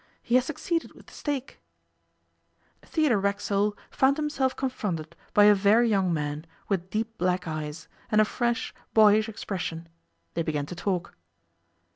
He has succeeded with the steak.' Theodore Racksole found himself confronted by a very young man, with deep black eyes, and a fresh, boyish expression. They began to talk.